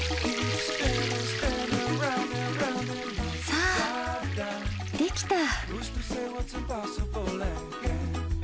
さあできた。